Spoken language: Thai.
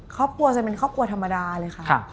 ครอบครัวจะเป็นครอบครัวธรรมดาเลยค่ะ